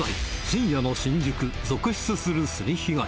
深夜の新宿、続出するすり被害。